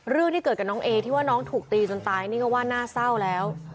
เรื่องที่เกิดกับน้องเอที่ว่าน้องถูกตีจนตายนี่ก็ว่าน่าเศร้าแล้ว